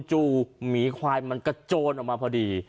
หมีควายมันกระโจนออกมาพอดี